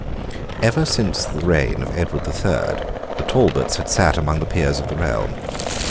Ever since the reign of Edward the Third, the Talbots had sate among the peers of the realm.